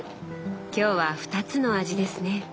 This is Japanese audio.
今日は２つの味ですね？